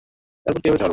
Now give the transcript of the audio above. তারপর কিভাবে ছাড়লো?